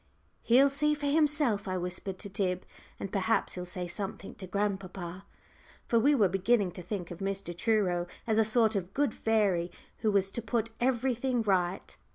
"He'll see for himself," I whispered to Tib, "and perhaps he'll say something to grandpapa." For we were beginning to think of Mr. Truro as a sort of good fairy who was to put everything right.